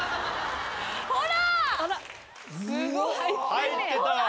入ってた。